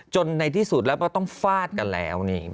จนในที่สุดเราต้องฟาดกันแล้ว